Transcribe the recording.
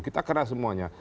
kita kena semuanya